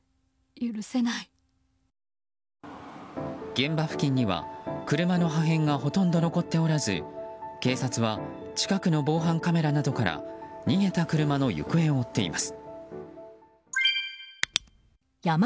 現場付近には車の破片がほとんど残っておらず警察は近くの防犯カメラなどから逃げた車の行方を追っています。